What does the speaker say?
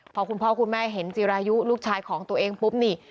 พอคุณพ่อคุณแม่เห็นจีรายุลูกชายของตัวเองปุ๊บนี่